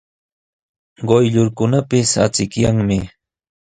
Quyllurkunapis achikyanmi.